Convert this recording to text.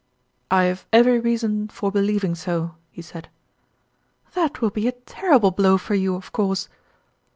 "" I have every reason for believing so," he said. " That will be a terrible blow for you, of course